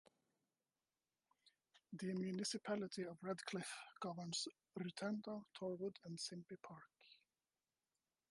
The municipality of Redcliff governs Rutendo, Torwood and Simbi Park.